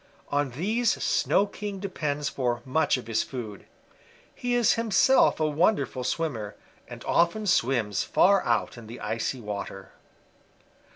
On these Snow King depends for much of his food. He is himself a wonderful swimmer, and often swims far out in the icy water.